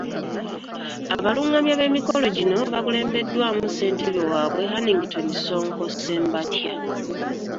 Abalungamya b'emikolo gino bakulembeddwamu ssentebe waabwe, Hannington Ssonko Ssembatya.